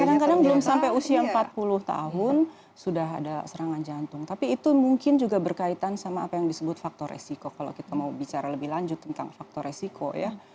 kadang kadang belum sampai usia empat puluh tahun sudah ada serangan jantung tapi itu mungkin juga berkaitan sama apa yang disebut faktor resiko kalau kita mau bicara lebih lanjut tentang faktor resiko ya